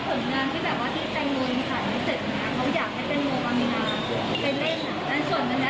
ส่วนงานที่แบบว่าที่แต่งโรนิกัสไม่เสร็จค่ะเขาอยากให้แต่งโรนิกัสไปเล่นอ่ะ